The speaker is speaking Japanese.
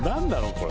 これ。